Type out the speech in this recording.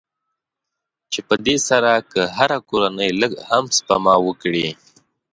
چې په دې سره که هره کورنۍ لږ هم سپما وکړي.